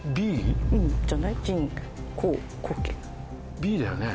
Ｂだよね？